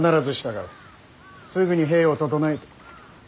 すぐに兵を調え。